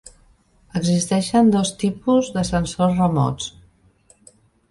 Existeixen dos tipus de sensors remots.